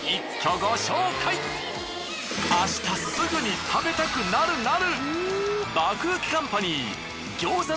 明日すぐに食べたくなるなる！